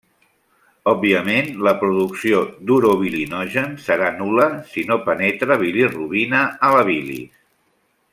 Òbviament, la producció d'urobilinogen serà nul·la si no penetra bilirubina a la bilis.